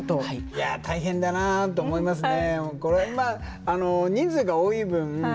いや大変だなと思いますね。